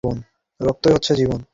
রক্তই হচ্ছে জীবন।